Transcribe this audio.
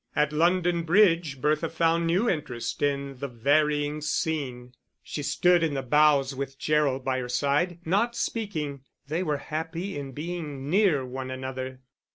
At London Bridge Bertha found new interest in the varying scene; she stood in the bows with Gerald by her side, not speaking; they were happy in being near one another.